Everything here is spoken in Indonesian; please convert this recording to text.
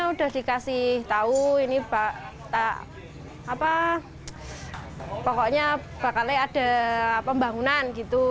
sudah dikasih tahu ini bakal ada pembangunan gitu